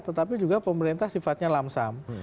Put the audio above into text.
tetapi juga pemerintah sifatnya lamsam